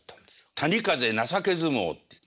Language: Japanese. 「谷風情け相撲」っていう。